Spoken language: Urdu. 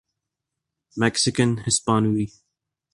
میکسیکن ہسپانوی